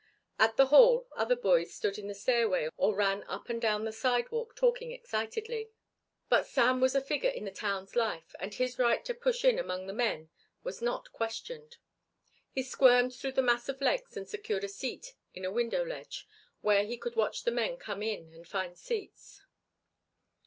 At the hall other boys stood in the stairway or ran up and down the sidewalk talking excitedly, but Sam was a figure in the town's life and his right to push in among the men was not questioned. He squirmed through the mass of legs and secured a seat in a window ledge where he could watch the men come in and find seats.